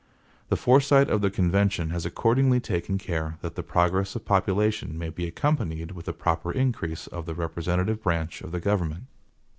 The foresight of the convention has accordingly taken care that the progress of population may be accompanied with a proper increase of the representative branch of the government.